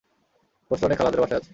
বোস্টনে খালাদের বাসায় আছে।